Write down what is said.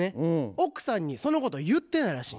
奥さんにそのこと言ってないらしい。